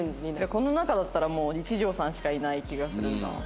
この中だったらもう一条さんしかいない気がするな。